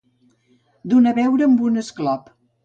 Donar beure amb un esclop.